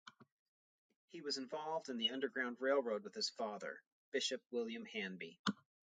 He was involved in the Underground Railroad with his father, Bishop William Hanby.